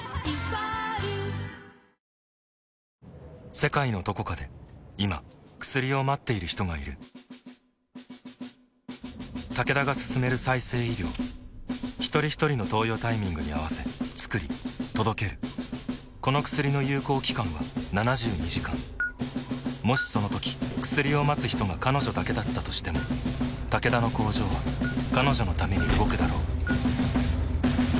世界のどこかで今薬を待っている人がいるタケダが進める再生医療ひとりひとりの投与タイミングに合わせつくり届けるこの薬の有効期間は７２時間もしそのとき薬を待つ人が彼女だけだったとしてもタケダの工場は彼女のために動くだろう